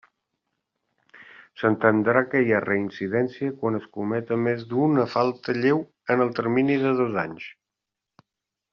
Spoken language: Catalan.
S'entendrà que hi ha reincidència quan es cometa més d'una falta lleu en el termini de dos anys.